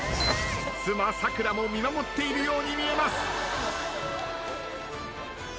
妻さくらも見守っているように見えます。